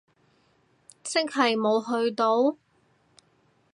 即係冇去到？